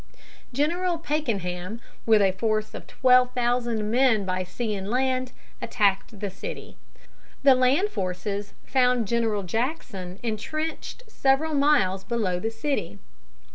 General Pakenham, with a force of twelve thousand men by sea and land, attacked the city. The land forces found General Jackson intrenched several miles below the city.